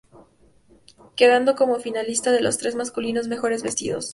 Quedando como finalista de los Tres Masculinos Mejores Vestidos.